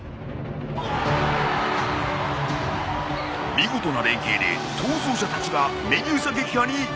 見事な連携で逃走者たちがメデューサ撃破に成功！